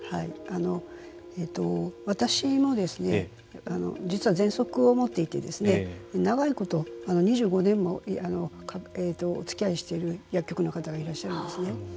私も実はぜんそくを持っていて長いこと、２５年もおつきあいしている薬局の方がいらっしゃるんですね。